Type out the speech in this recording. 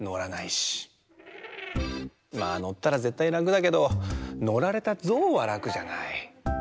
まあのったらぜったいらくだけどのられたぞうはらくじゃない。